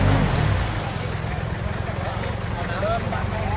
เมื่อเวลาอันดับสุดท้ายมันกลายเป้าหมายมากกว่า